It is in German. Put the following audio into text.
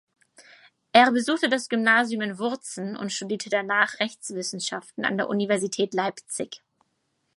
Er besuchte das Gymnasium in Wurzen und studierte danach Rechtswissenschaften an der Universität Leipzig.